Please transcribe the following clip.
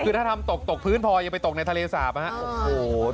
คือถ้าทำตกตกพื้นพออย่าไปตกในทะเลสาปนะครับ